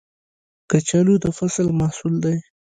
کچالو د فصل محصول دی